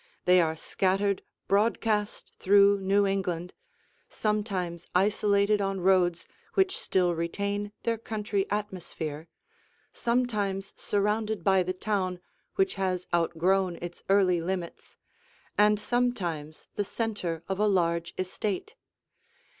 They are scattered broadcast through New England, sometimes isolated on roads which still retain their country atmosphere, sometimes surrounded by the town which has outgrown its early limits, and sometimes the center of a large estate.